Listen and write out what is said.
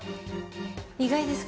意外ですか？